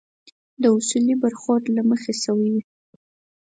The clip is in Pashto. د اصولي برخورد له مخې شوي وي.